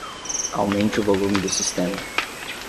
Aumente o volume do sistema.